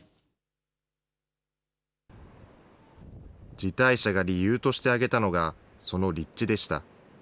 辞退者が理由として挙げたのが、その立地でした。